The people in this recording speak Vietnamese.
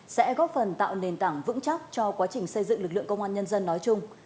sẽ góp phần tạo nền tảng vững chắc cho quá trình xây dựng lực lượng công an nhân dân nói chung